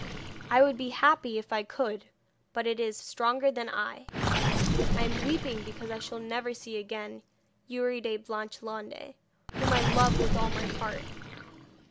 I would be happy if I could, but it is stronger than I. I am weeping because I shall never see again Youri de Blanchelande, whom I love with all my heart.